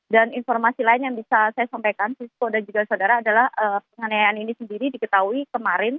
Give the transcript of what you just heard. dan informasi lain yang bisa saya sampaikan sisko dan juga saudara adalah penganiayaan ini sendiri diketahui kemarin